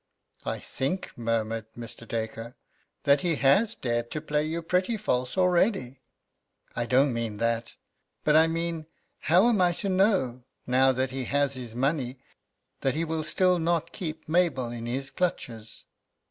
"I think," murmured Mr. Dacre, "that he has dared to play you pretty false already." "I don't mean that. But I mean how am I to know, now that he has his money, that he will still not keep Mabel in his clutches?"